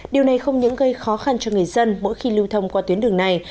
điều này không những gây khó khăn cho người dân mỗi khi lưu thông qua tuyến đường này